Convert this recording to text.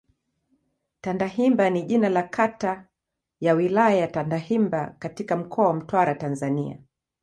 Tandahimba ni jina la kata ya Wilaya ya Tandahimba katika Mkoa wa Mtwara, Tanzania.